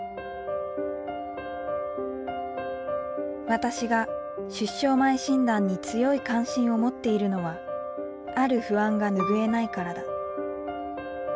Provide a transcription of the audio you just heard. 私が出生前診断に強い関心を持っているのはある不安が拭えないからだ。